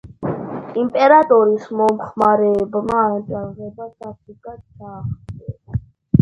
იმპერატორის მომხრეებმა აჯანყება სასტიკად ჩაახშვეს.